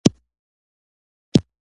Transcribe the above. اوبو د راټولېدو له ستونزې څخه خلاص سي.